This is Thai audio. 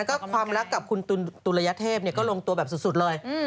แล้วก็ความรักกับคุณตุลยเทพก็ลงตัวแบบสุดเลย